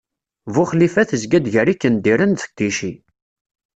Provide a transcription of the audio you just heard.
Buxlifa tezga-d gar Ikendiren d Ticci.